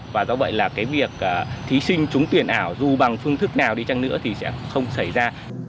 và do vậy là cái việc thí sinh trúng tuyển ảo dù bằng phương thức nào đi chăng nữa thì sẽ không xảy ra